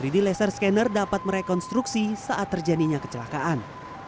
tiga d laser scanner dapat merekonstruksi saat terjadinya kecelakaan